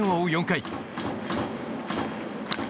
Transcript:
４回。